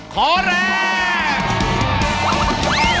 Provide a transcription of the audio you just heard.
ขอแรง